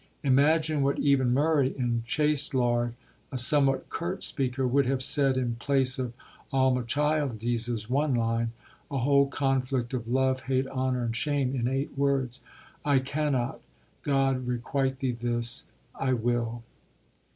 Imagine what even Murray, in Chastelard, a somewhat curt speaker, would have said in place of Almachildes's one line, a whole conflict of love, hate, honour, and shame in eight words: I cannot. God requite thee this! I will.